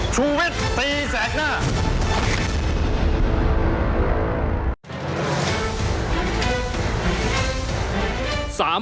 ชุวิตตีแสดหน้า